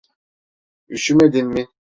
Üşümedin mi?